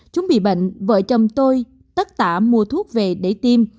chúng bị bệnh vợ chồng tôi tất tả mua thuốc về để tiêm